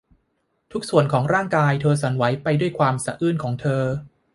ทุกส่วนของร่างกายเธอสั่นไหวไปด้วยความสะอื้นของเธอ